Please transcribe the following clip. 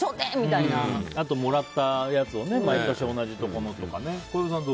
あともらったやつを毎年同じものとか。